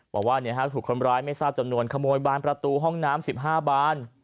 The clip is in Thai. บอกว่าถูกคนร้ายไม่ทราบจำนวนขโมยบานประตูห้องน้ำ๑๕บาน